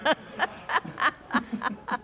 ハハハハ！